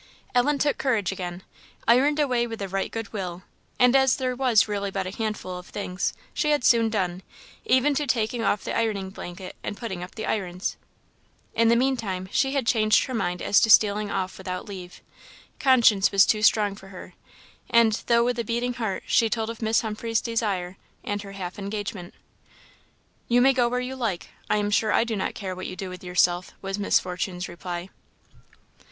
Ellen took courage again ironed away with right good will; and as there was really but a handful of things, she had soon done, even to taking off the ironing blanket and putting up the irons. In the mean time she had changed her mind as to stealing off without leave; conscience was too strong for her; and, though with a beating heart, she told of Miss Humphreys' desire and her half engagement. "You may go where you like I am sure I do not care what you do with yourself," was Miss Fortune's reply.